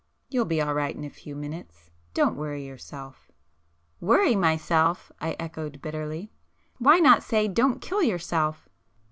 You'll be all right in a few minutes. Don't worry yourself." "Worry myself!" I echoed bitterly—"Why not say don't kill yourself!"